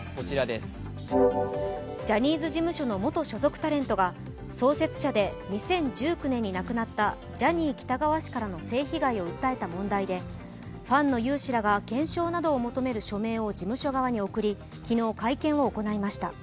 ジャニーズ事務所の元所属タレントが創設者で２０１９年に亡くなったジャニー喜多川氏からの性被害を訴えた問題でファンの有志らが検証などを求める署名を事務所側に送り、昨日、会見を行いました。